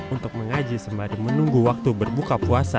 untuk mengaji sembari menunggu waktu berbuka puasa